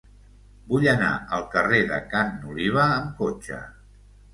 Vull anar al carrer de Ca n'Oliva amb cotxe.